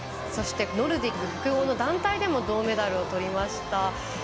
そしてノルディック複合の団体でも銅メダルをとりました。